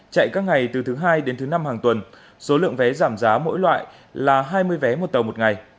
chạy các ngày từ thứ hai đến thứ năm hàng tuần số lượng vé giảm giá mỗi loại là hai mươi vé một tàu một ngày